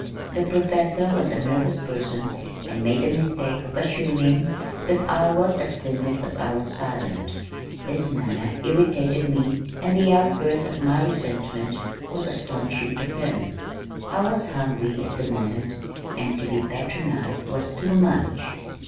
The professor was a nervous person and made the mistake of assuming that I was as timid as I was silent. His manner irritated me and the outburst of my resentment was astonishing to him. I was hungry at the moment and to be patronized was too much!